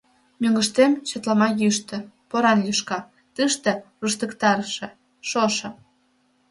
Мӧҥгыштем — чатлама йӱштӧ, поран лӱшка, тыште — руштыктарыше шошо.